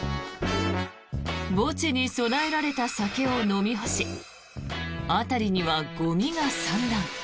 墓地に供えられた酒を飲み干し辺りにはゴミが散乱。